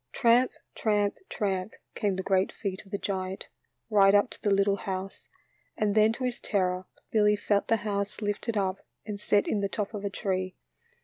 Tramp, tramp, tramp, came the great feet of the giant, right up to the little house, and then to his terror Billy felt the house lifted up and set in the top of a tree.